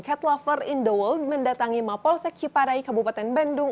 cat lover in the world mendatangi mapolsek ciparai kabupaten bandung